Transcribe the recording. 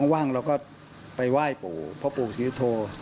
ว่างเราก็ไปไหว้ปู่เพราะปู่สิทธิโทษ